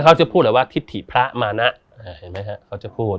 เขาจะพูดเหรอว่าทิศถิพระมานะเห็นไหมฮะเขาจะพูด